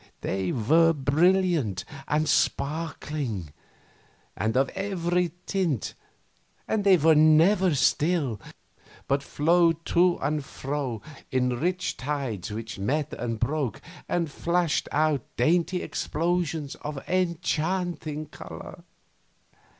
They were very brilliant and sparkling, and of every tint, and they were never still, but flowed to and fro in rich tides which met and broke and flashed out dainty explosions of enchanting color.